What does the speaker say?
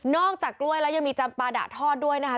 จากกล้วยแล้วยังมีจำปาดะทอดด้วยนะคะ